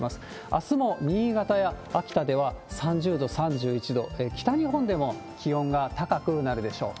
あすも新潟や秋田では３０度、３１度、北日本でも気温が高くなるでしょう。